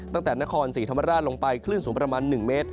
ตั้งแต่นครศรีธรรมราชลงไปคลื่นสูงประมาณ๑เมตร